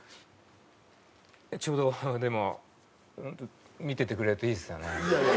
ちょうどでも見ててくれるといいですよね。